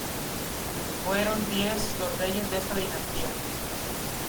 Fueron diez los reyes de esta dinastía.